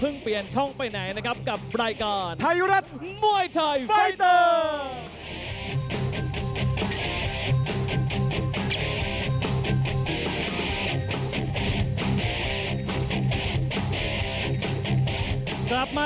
ร้องคู่เอกของเราแสนพลลูกบ้านใหญ่เทคซอลเพชรสร้างบ้านใหญ่